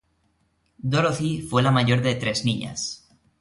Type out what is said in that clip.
Dorothy fue la mayor de tres niñas.